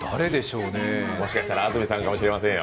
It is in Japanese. もしかしたら安住さんかもしれませんよ。